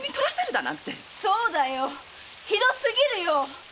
そうだよひどすぎるよ！